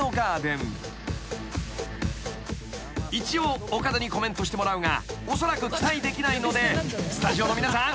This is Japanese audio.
［一応岡田にコメントしてもらうがおそらく期待できないのでスタジオの皆さん。